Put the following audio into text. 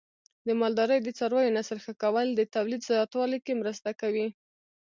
د مالدارۍ د څارویو نسل ښه کول د تولید زیاتوالي کې مرسته کوي.